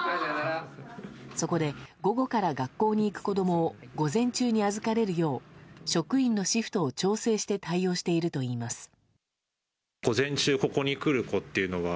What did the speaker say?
そこで午後から学校に行く子供を午前中に預かれるよう職員のシフトを調整して対応しているといいます。